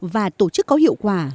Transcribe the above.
và tổ chức có hiệu quả